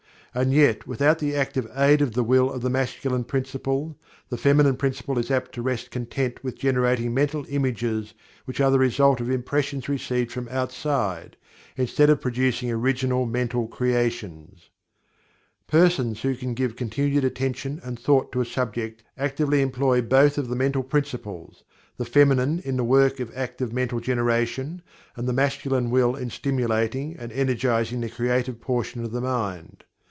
And yet, without the active aid of the Will of the Masculine Principle, the Feminine Principle is apt to rest content with generating mental images which are the result of impressions received from outside, instead of producing original mental creations. Persons who can give continued attention and thought to a subject actively employ both of the Mental Principles the Feminine in the work of the mental generation, and the Masculine Will in stimulating and energizing the creative portion of the mind.